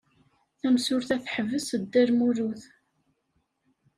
Tamsulta teḥbes Dda Lmulud.